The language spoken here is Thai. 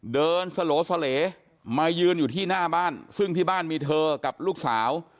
สโหลสเลมายืนอยู่ที่หน้าบ้านซึ่งที่บ้านมีเธอกับลูกสาว